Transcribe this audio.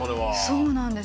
そうなんです。